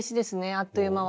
あっという間は。